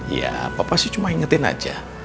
ya papa sih cuma ingetin aja